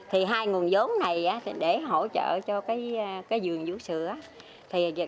hai nguồn giống này để hỗ trợ cho vườn vũ sữa